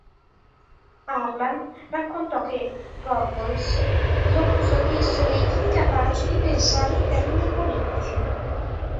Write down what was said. Harlan raccontò che Goebbels lo accusò di essere "incapace di pensare in termini politici".